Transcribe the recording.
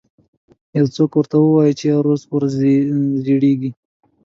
یو څوک دې ورته ووایي چې ورځ په ورځ زړیږي